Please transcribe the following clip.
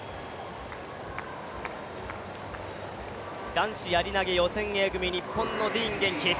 男子やり投予選Ａ組、日本のディーン元気。